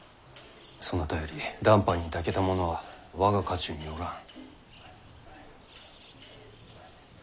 そなたより談判にたけた者は我が家中にはおらん。